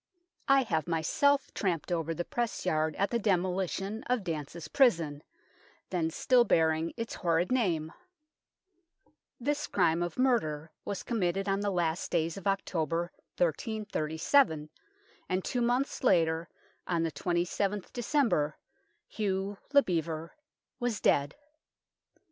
I have myself tramped over the press yard at the demolition of Dance's prison, then still bearing its horrid name. This crime of murder was committed on the last days of October, 1337, and two months later, on the 27th December, Hugh le Bevere was dead.